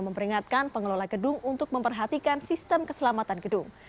memperingatkan pengelola gedung untuk memperhatikan sistem keselamatan gedung